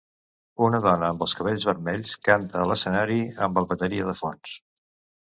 Una dona amb els cabells vermells canta a l'escenari amb el bateria de fons